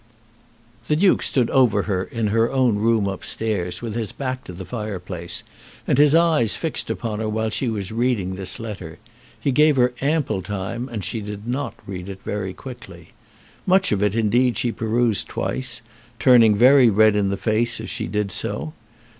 The Duke stood over her in her own room upstairs, with his back to the fireplace and his eyes fixed upon her while she was reading this letter. He gave her ample time, and she did not read it very quickly. Much of it indeed she perused twice, turning very red in the face as she did so.